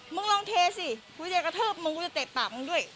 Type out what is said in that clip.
มึงลองเทสิกูจะกระทืบมึงกูจะเตะปากมึงด้วย